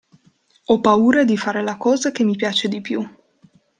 Ho paura di fare la cosa che mi piace di più.